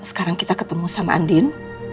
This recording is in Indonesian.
sekarang kita ketemu sama andin